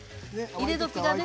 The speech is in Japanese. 入れ時がね。